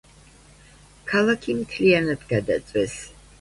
ქალაქი მთლიანად გადაწვეს.